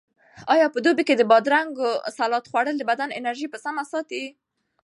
آیا په دوبي کې د بادرنګو سالاډ خوړل د بدن انرژي په سمه ساتي؟